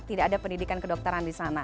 tidak ada pendidikan kedokteran di sana